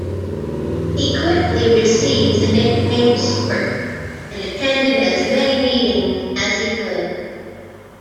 He quickly received the nickname "Squirt" and attended as many meetings as he could.